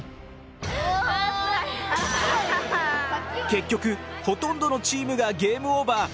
結局ほとんどのチームがゲームオーバー。